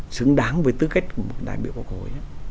xứng đáng với tư cách của một đại biểu quốc hội